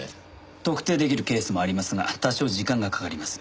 特定できるケースもありますが多少時間がかかります。